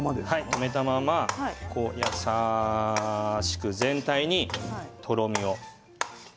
止めたままで優しく全体にとろみを。